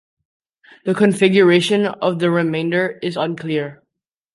The configuration of the remainder is unclear.